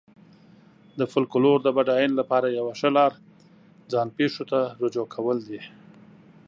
د فولکلور د بډاینې لپاره یوه ښه لار ځان پېښو ته رجوع کول دي.